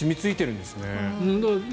染みついてるんですね。